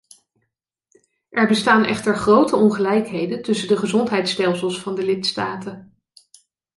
Er bestaan echter grote ongelijkheden tussen de gezondheidsstelsels van de lidstaten.